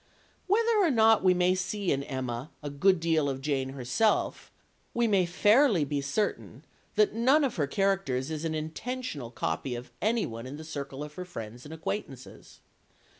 Whether or not we may see in Emma a good deal of Jane herself, we may fairly be certain that none of her characters is an intentional copy of any one in the circle of her friends and acquaintances.